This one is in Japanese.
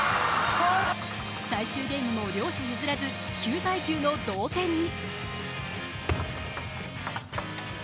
最終ゲームも両者譲らず、９−９の同点に。